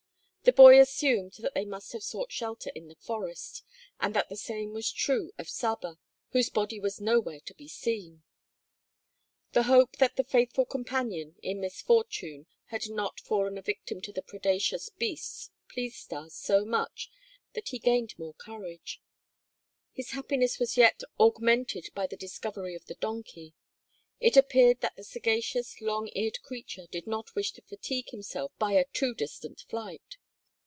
The boy assumed that they must have sought shelter in the forest, and that the same was true of Saba, whose body was nowhere to be seen. The hope that the faithful companion in misfortune had not fallen a victim to the predaceous beasts pleased Stas so much that he gained more courage. His happiness was yet augmented by the discovery of the donkey. It appeared that the sagacious, long eared creature did not wish to fatigue himself by a too distant flight.